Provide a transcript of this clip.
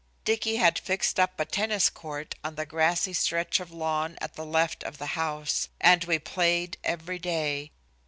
Dicky had fixed up a tennis court on the, grassy stretch of lawn at the left of the house, and we played every day.